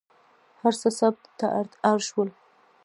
هر څه ثبت ته اړ شول.